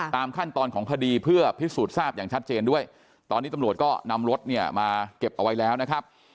ตามขั้นตอนของคดีเพื่อพิสูจน์ทราบอย่างชัดเจนด้วยตอนนี้ตำรวจก็นำรถเนี่ยมาเก็บเอาไว้แล้วนะครับ